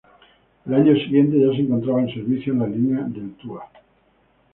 Al año siguiente, ya se encontraba en servicio en la Línea del Tua.